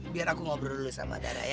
biar aku ngobrol dulu sama darah ya